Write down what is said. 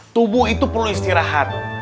tubuh itu perlu istirahat